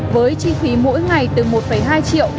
với chi phí mỗi ngày từ một hai triệu